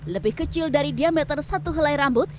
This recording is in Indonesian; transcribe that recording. lebih kecil dari diameter satu helai rambut